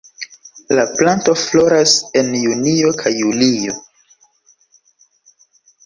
La planto floras en junio kaj julio.